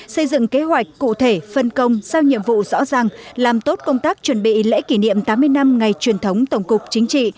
xây dựng kế hoạch cụ thể phân công sao nhiệm vụ rõ ràng làm tốt công tác chuẩn bị lễ kỷ niệm tám mươi năm ngày truyền thống tổng cục chính trị